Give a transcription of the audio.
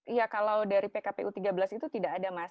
iya kalau dari pkpu tiga belas itu tidak ada mas